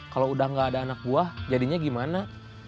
kalau udah gak ada anak buah jadinya gimana